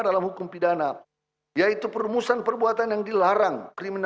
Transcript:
dalam hukum pidana yaitu perumusan perbuatan yang dilarang